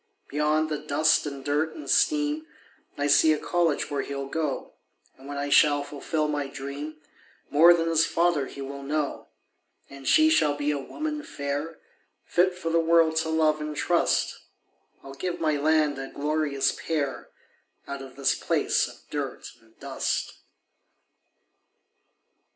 Beyond the dust and dirt and steam I see a college where he'll go; And when I shall fulfill my dream, More than his father he will know; And she shall be a woman fair, Fit for the world to love and trust I'll give my land a glorious pair Out of this place of dirt and dust.